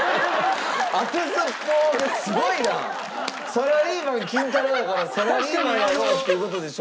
『サラリーマン金太郎』やからサラリーマンやろうっていう事でしょ